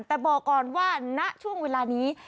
แต่บอกก่อนว่าณช่วงเวลานี้